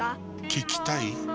聞きたい？